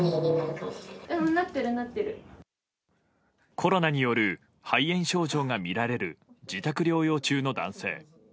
コロナによる肺炎症状が見られる自宅療養中の男性。